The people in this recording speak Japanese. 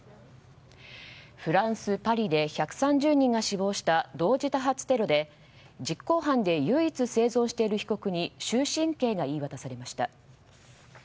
フランス・パリで１３０人が死亡した同時多発テロで実行犯で唯一生存している被告に終身刑が言い渡されました。